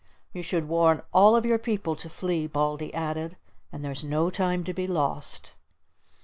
"You should warn all of your people to flee," Baldy added. "And there's no time to be lost."